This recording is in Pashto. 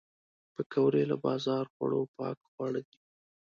پکورې له بازار خوړو پاک خواړه دي